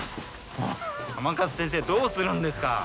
甘春先生どうするんですか？